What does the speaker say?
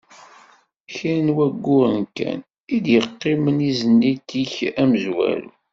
Kra n wayyuren kan, i d-yeqqimen i Zénith-ik amezwaru.